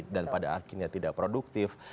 dan pada akhirnya tidak produktif